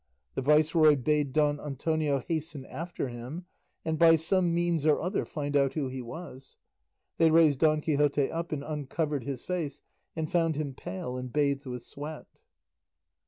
The viceroy bade Don Antonio hasten after him, and by some means or other find out who he was. They raised Don Quixote up and uncovered his face, and found him pale and bathed with sweat.